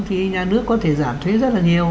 thì nhà nước có thể giảm thuế rất là nhiều